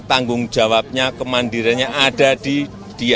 tanggung jawabnya kemandiriannya ada di dia